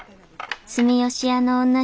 住吉屋の女